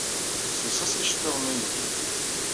Ssels-as iceṭṭiḍen i yelli-m.